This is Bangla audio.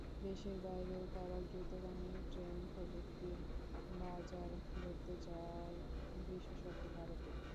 দেশের বাইরেও তারা দ্রুতগামী ট্রেন প্রযুক্তির বাজার ধরতে চায়, বিশেষত ভারতে।